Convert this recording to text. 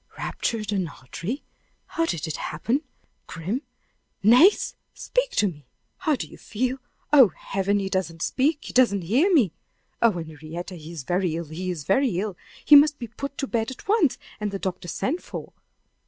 "Ruptured an artery? How did it happen? Grim! Nace! speak to me! How do you feel? Oh, Heaven! he doesn't speak he doesn't hear me! Oh, Henrietta! he is very ill he is very ill! He must be put to bed at once, and the doctor sent for!